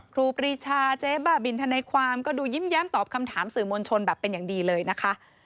ครูปรีชาเจ๊บ้าบินทนายความก็ดูยิ้มแย้มตอบคำถามสื่อมวลชนแบบเป็นอย่างดีเลยนะคะ